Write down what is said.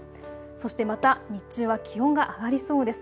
そしてまた日中は気温が上がりそうです。